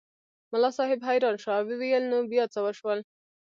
ملا صاحب حیران شو او ویې ویل نو بیا څه وشول.